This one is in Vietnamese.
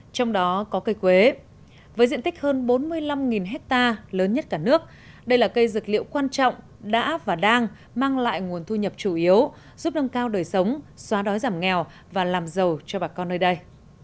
trong đó có cây quế với diện tích hơn bốn mươi năm hectare lớn nhất cả nước đây là cây dược liệu quan trọng đã và đang mang lại nguồn thu nhập chủ yếu giúp nâng cao đời sống xóa đói giảm nghèo và làm giàu cho bà con nơi đây